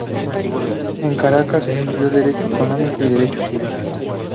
En Caracas, estudió Derecho Canónico y Derecho Civil.